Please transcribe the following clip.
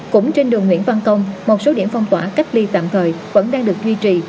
cũng trên đường nguyễn văn công một số điểm phong tỏa cách ly tạm thời vẫn đang được duy trì